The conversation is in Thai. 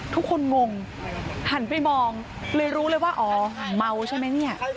ทุกคนงงหันไปมองเลยรู้เลยว่าอ๋อเมาใช่ไหม